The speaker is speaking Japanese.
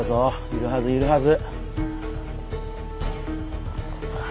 いるはずいるはず！